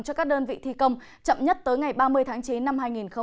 cho các đơn vị thi công chậm nhất tới ngày ba mươi tháng chín năm hai nghìn hai mươi